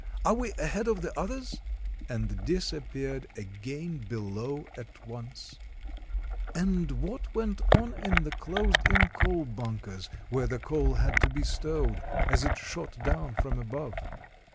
Are we ahead of the others?" and disappeared again below at once. 233 RUSSIA And what went on in the closed in coal bunkers, where the coal had to be stowed, as it shot down from above?